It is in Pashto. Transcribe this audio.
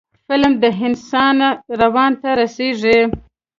فلم د انسان روان ته رسیږي